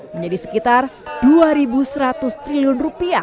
menjadi sekitar rp dua seratus triliun